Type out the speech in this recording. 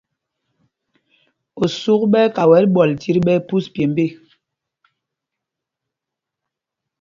Osûk ɓɛ́ ɛ́ kawɛl ɓɔl tit ɓɛ phūs pyêmb ê.